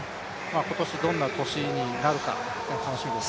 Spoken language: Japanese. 今年、どんな年になるか楽しみです